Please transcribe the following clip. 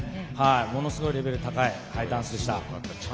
ものすごくレベルの高いダンスでした。